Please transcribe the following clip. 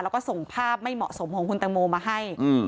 แล้วก็ส่งภาพไม่เหมาะสมของคุณตังโมมาให้